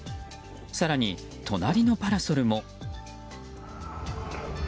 更に、隣のパラソルも。